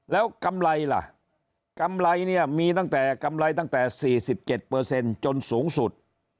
แล้วกำไรล่ะกำไรเนี่ยมีตั้งแต่๔๗จนสูงสุด๑๖๕๖๖